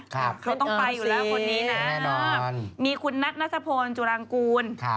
ครับก็ต้องไปอยู่แล้วคนนี้นะมีคุณนัตนัสพนธ์จุรังกูล